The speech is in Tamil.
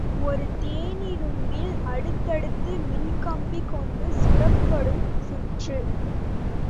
ஒரு தேனிரும்பில் அடுத்தடுத்து மின்கம்பி கொண்டு சுற்றப்படும் சுற்று.